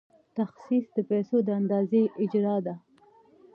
تخصیص د پیسو د اندازې اجرا ده.